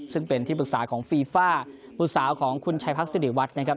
ซึ่งเป็นที่ปรึกษาของฟีฟ่าบุตรสาวของคุณชายพักษิริวัตรนะครับ